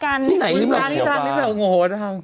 ร้านที่สร้างริมเหล่าโงนะครับ